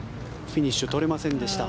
フィニッシュ撮れませんでした。